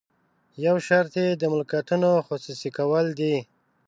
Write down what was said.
یو شرط یې د ملکیتونو خصوصي کول دي.